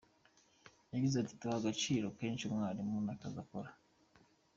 Yagize ati “Duha agaciro kenshi mwarimu n’akazi akora.